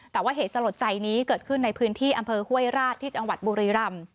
แต่ว่าเหตุสลดใจนี้เกิดขึ้นในพื้นที่อำเภอห้วยราชที่จังหวัดบุรีรำ